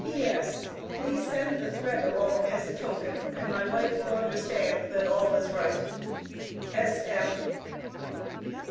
P.S. Please send the thread along as a token and my wife will understand that all is right. S.M.